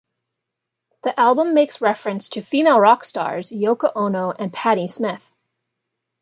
The album makes reference to female rock stars Yoko Ono and Patti Smith.